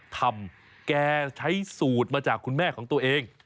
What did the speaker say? แกใช้สูตรมาจากคุณแม่ของตัวเอง